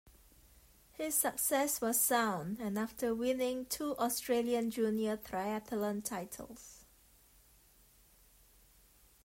His success was sound and after winning two Australian Junior Triathlon titles.